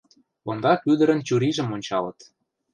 Ондак ӱдырын чурийжым ончалыт.